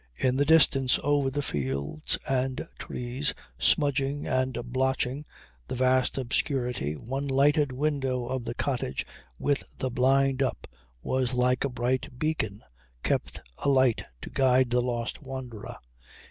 In the distance over the fields and trees smudging and blotching the vast obscurity, one lighted window of the cottage with the blind up was like a bright beacon kept alight to guide the lost wanderer.